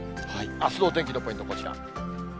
あすの天気のポイント、こちら。